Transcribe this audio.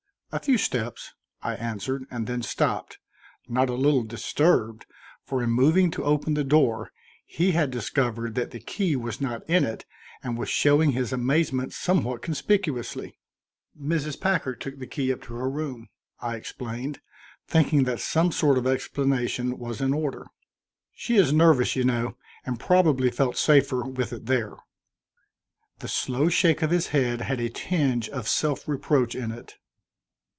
"A few steps," I answered, and then stopped, not a little disturbed; for in moving to open the door he had discovered that the key was not in it and was showing his amazement somewhat conspicuously. "Mrs. Packard took the key up to her room," I explained, thinking that some sort of explanation was in order. "She is nervous, you know, and probably felt safer with it there." The slow shake of his head had a tinge of self reproach in it.